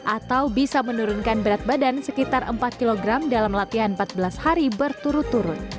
atau bisa menurunkan berat badan sekitar empat kg dalam latihan empat belas hari berturut turut